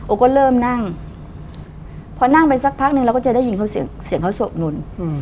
ก็เริ่มนั่งพอนั่งไปสักพักนึงเราก็จะได้ยินเขาเสียงเขาโสดหนุน